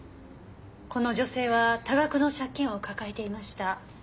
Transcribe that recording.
この女性は多額の借金を抱えていました。